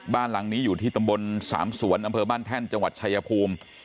บ้านหลังนี้อยู่ที่ตำบลสามสวนอำเภอบ้านแท่นจังหวัดชายภูมิ